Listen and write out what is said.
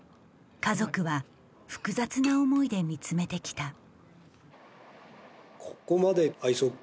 家族は複雑な思いで見つめてきた。